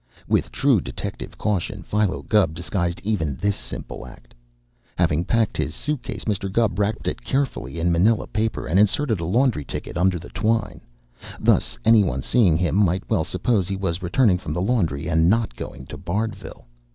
With true detective caution Philo Gubb disguised even this simple act. Having packed his suitcase, Mr. Gubb wrapped it carefully in manila paper and inserted a laundry ticket under the twine. Thus, any one seeing him might well suppose he was returning from the laundry and not going to Bardville.